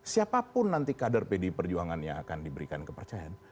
siapapun nanti kader pdi perjuangan yang akan diberikan kepercayaan